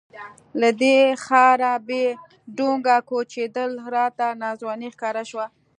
له دې ښاره بې ډونګه کوچېدل راته ناځواني ښکاره شوه.